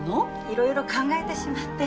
いろいろ考えてしまって。